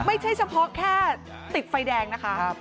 ไม่ใช่เฉพาะแค่ติดไฟแดงนะคะ